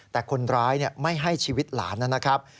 แต่คนร้ายไม่ให้ชีวิตหลานนะครับ